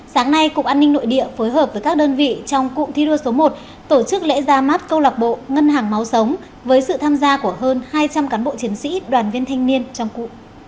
sáng nay cục an ninh nội địa phối hợp với các đơn vị trong cụm thi đua số một tổ chức lễ ra mắt câu lạc bộ ngân hàng máu sống với sự tham gia của hơn hai trăm linh cán bộ chiến sĩ đoàn viên thanh niên trong cụ